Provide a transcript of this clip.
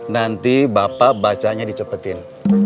nanti bapak bacanya di cepetin